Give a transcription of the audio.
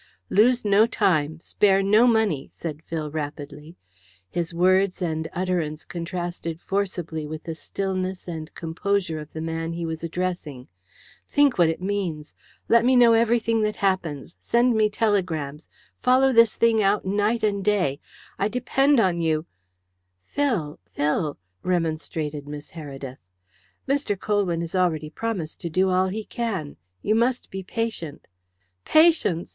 "Lose no time. Spare no money," said Phil rapidly. His words and utterance contrasted forcibly with the stillness and composure of the man he was addressing. "Think what it means! Let me know everything that happens. Send me telegrams. Follow this thing out night and day. I depend on you " "Phil, Phil!" remonstrated Miss Heredith. "Mr. Colwyn has already promised to do all he can. You must be patient." "Patience!